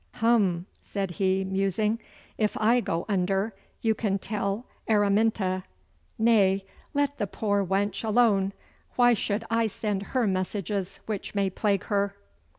'Hum!' said he, musing. 'If I go under, you can tell Araminta nay, let the poor wench alone! Why should I send her messages which may plague her!